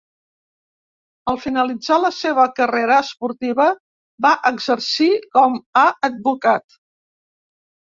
En finalitzar la seva carrera esportiva va exercir com a advocat.